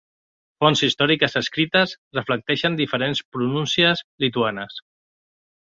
Fonts històriques escrites reflecteixen diferents pronúncies lituanes.